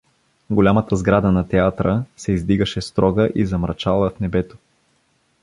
Голямата сграда на театра се издигаше строга и замрачала в небето.